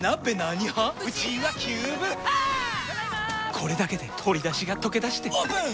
これだけで鶏だしがとけだしてオープン！